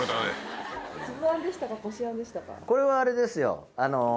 これはあれですよあの。